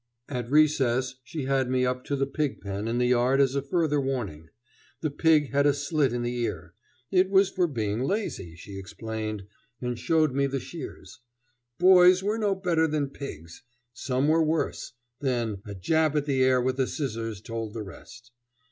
At recess she had me up to the pig pen in the yard as a further warning. The pig had a slit in the ear. It was for being lazy, she explained, and showed me the shears. Boys were no better than pigs. Some were worse; then a jab at the air with the scissors told the rest.